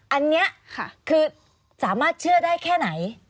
อันนี้คือสามารถเชื่อได้แค่ไหน